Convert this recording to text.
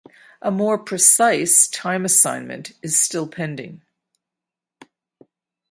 A more precise time assignment is still pending.